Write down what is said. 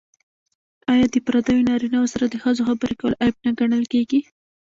آیا د پردیو نارینه وو سره د ښځو خبرې کول عیب نه ګڼل کیږي؟